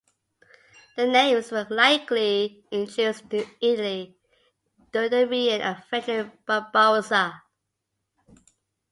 The names were likely introduced to Italy during the reign of Frederick Barbarossa.